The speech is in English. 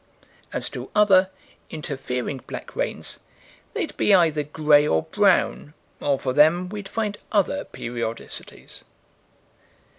As to other, interfering black rains, they'd be either gray or brown, or for them we'd find other periodicities.